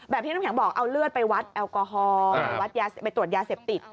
ที่น้ำแข็งบอกเอาเลือดไปวัดแอลกอฮอล์ไปตรวจยาเสพติด